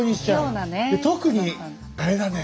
で特にあれだね